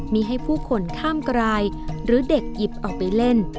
มีให้ผู้คนข้ามกรายหรือเด็กหยิบออกไปเล่น